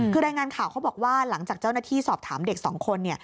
คือรายงานข่าวเขาบอกว่าหลังจากเจ้าหน้าที่สอบถามเด็กสองคน